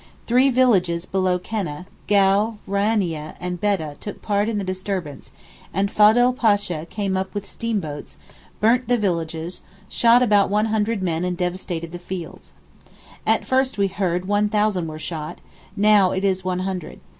Three villages below Keneh—Gau, Rayanaeh and Bedeh took part in the disturbance, and Fodl Pasha came up with steamboats, burnt the villages, shot about one hundred men and devastated the fields. At first we heard one thousand were shot, now it is one hundred.